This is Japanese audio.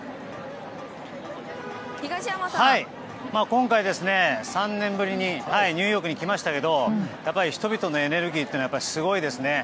今回、３年ぶりにニューヨークに来ましたけどやっぱり人々のエネルギーはすごいですね。